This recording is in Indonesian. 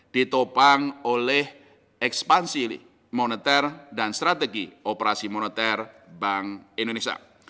ditopang oleh ekspansi moneter dan strategi operasi moneter bank indonesia